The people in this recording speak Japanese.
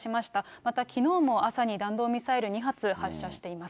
またきのうも朝に弾道ミサイル２発発射しています。